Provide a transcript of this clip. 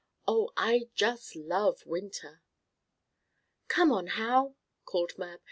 Oh! I just love winter!" "Come on, Hal!" called Mab.